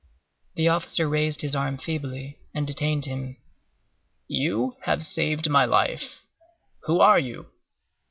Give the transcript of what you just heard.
The officer raised his arm feebly, and detained him. "You have saved my life. Who are you?"